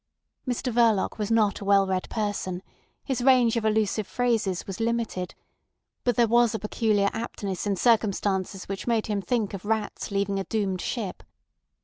Mr Verloc was not a well read person; his range of allusive phrases was limited, but there was a peculiar aptness in circumstances which made him think of rats leaving a doomed ship.